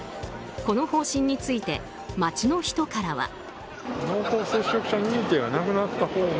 この方針について街の人からは。